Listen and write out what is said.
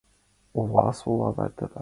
Ова-сола ватыла.